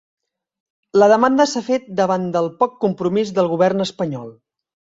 La demanda s'ha fet davant del poc compromís del govern espanyol